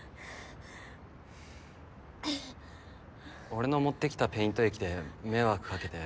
俺の持ってきたペイント液で迷惑かけて。